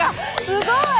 すごい！